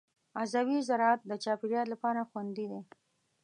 عضوي زراعت د چاپېریال لپاره خوندي دی.